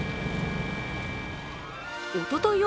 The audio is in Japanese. おととい